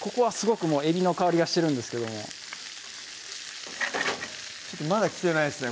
ここはすごくもうえびの香りがしてるんですけどもまだ来てないですね